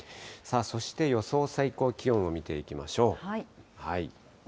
さあ、そして予想最高気温を見ていきましょう。